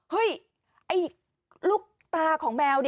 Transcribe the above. เฮ้ยไอ้ลูกตาของแมว